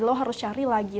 lo harus cari lagi